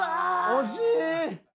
惜しい。